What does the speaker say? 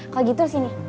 kalau gitu sini